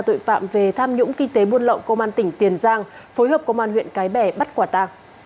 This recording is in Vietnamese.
tội phạm về tham nhũng kinh tế buôn lậu công an tỉnh tiền giang phối hợp công an huyện cái bè bắt quả ta